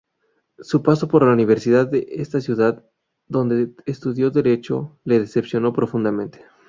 Su paso por la Universidad de esta ciudad, donde estudió derecho, le decepcionó profundamente.